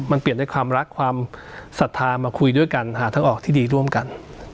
มันเปลี่ยนด้วยความรักความศรัทธามาคุยด้วยกันหาทางออกที่ดีร่วมกัน